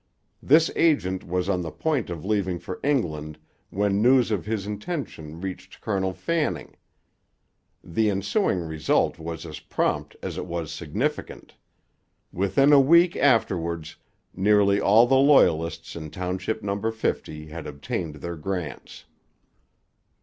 This agent was on the point of leaving for England, when news of his intention reached Colonel Fanning. The ensuing result was as prompt as it was significant: within a week afterwards nearly all the Loyalists in Township No. 50 had obtained their grants.